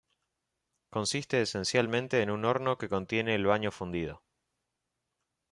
Consiste esencialmente en un horno que contiene el baño fundido.